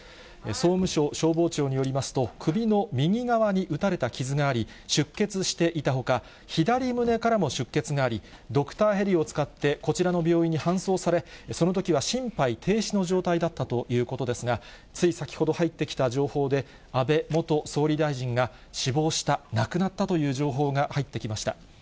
総務省消防庁によりますと、首の右側に撃たれた傷があり、出血していたほか、左胸からも出血があり、ドクターヘリを使ってこちらの病院に搬送され、そのときは心肺停止の状態だったということですが、つい先ほど入ってきた情報で、安倍元総理大臣が死亡した、亡くなったという情報が入ってきました。